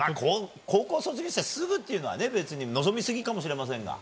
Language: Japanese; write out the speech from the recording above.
高校卒業してすぐというのは望みすぎかもしれませんが。